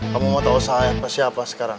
kamu mau tau saya siapa sekarang